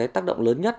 tác động lớn nhất